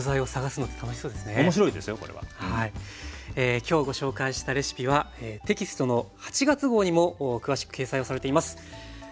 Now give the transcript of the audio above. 今日ご紹介したレシピはテキストの８月号にも詳しく掲載をされています。